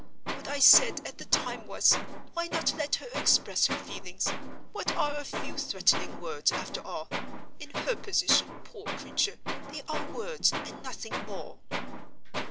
What I said at the time was, Why not let her express her feelings? What are a few threatening words, after all? In her position, poor creature, they are words, and nothing more."